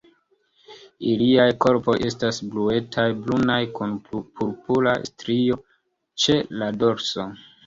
Iliaj korpoj estas bluetaj-brunaj, kun purpura strio ĉe la dorso.